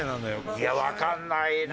いやわかんないな。